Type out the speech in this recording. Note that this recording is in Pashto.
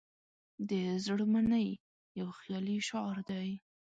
"د زړه منئ" یو خیالي شعار دی.